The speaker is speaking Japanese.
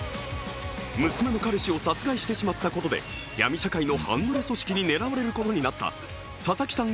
娘の彼氏を殺害してしまったことで闇社会の半グレ組織に狙われることになった佐々木さん